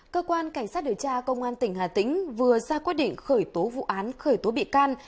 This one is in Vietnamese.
cơ quan cảnh sát điều tra công an tỉnh hà tĩnh vừa ra quyết định khởi tố vụ án khởi tố bị can